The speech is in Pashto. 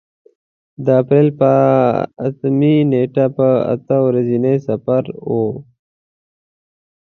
د اپرېل په اتمې نېټې په اته ورځني سفر و.